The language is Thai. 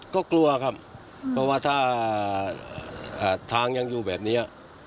ก็กลัวครับเพราะว่าถ้าทางยังอยู่แบบนี้